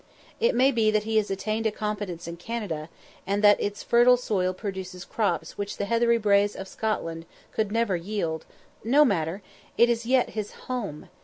It may be that he has attained a competence in Canada, and that its fertile soil produces crops which the heathery braes of Scotland would never yield no matter, it is yet his _home!